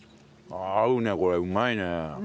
合うねこれうまいね。